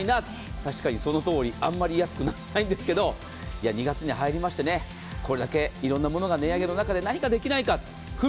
確かにそのとおりあまり安くならないんですけど２月に入りましてこれだけいろんなものが値上げの中で何かできないか。